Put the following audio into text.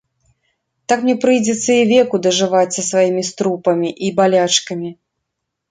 Так мне прыйдзецца і веку дажываць са сваімі струпамі і балячкамі.